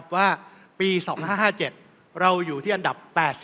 ว่าปี๒๕๕๗เราอยู่ที่อันดับ๘